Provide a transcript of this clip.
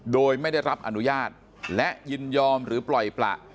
โดยไม่ได้รับอนุญาตและยินยอมหรือปล่อยประ